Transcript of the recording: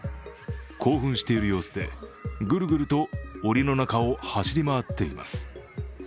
興奮している様子でぐるぐると、おりの中を走り回っています。